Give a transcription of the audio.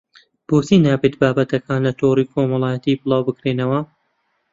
بۆچی نابێت بابەتەکان لە تۆڕی کۆمەڵایەتی بڵاوبکرێنەوە